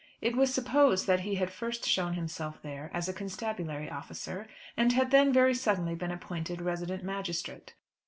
It was supposed that he had first shown himself there as a constabulary officer, and had then very suddenly been appointed resident magistrate.